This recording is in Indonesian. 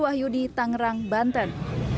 wahyudi tangerang banten